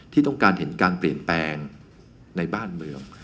ที่ต้องการเห็นการเปลี่ยนแปลงในบ้านเมือง